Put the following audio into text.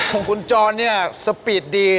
ของคุณจอห์นสปีดดี